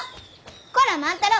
こら万太郎！